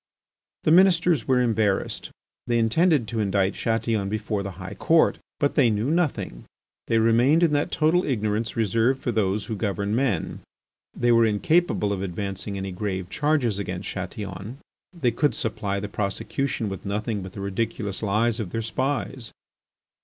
The Ministers were embarrassed. They intended to indict Chatillon before the High Court. But they knew nothing; they remained in that total ignorance reserved for those who govern men. They were incapable of advancing any grave charges against Chatillon. They could supply the prosecution with nothing but the ridiculous lies of their spies.